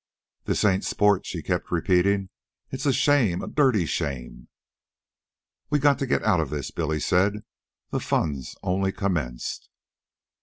"This ain't sport," she kept repeating. "It's a shame, a dirty shame." "We got to get outa this," Billy said. "The fun's only commenced."